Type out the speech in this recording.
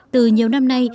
từ nhiều năm nay